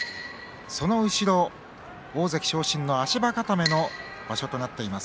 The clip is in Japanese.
その後ろ大関昇進の足場固めの場所となっています